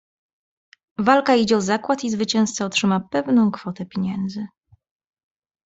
"Walka idzie o zakład i zwycięzca otrzyma pewną kwotę pieniędzy."